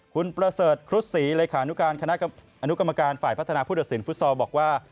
คุณประเสริฐครุฑศรีเลขานุการคณะอนุกรรมการฝ่ายพัฒนาผู้ตัดสินฟุตซอลบอกว่า